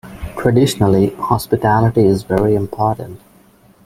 Traditionally, hospitality is very important.